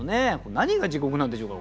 何が「地獄」なんでしょうか？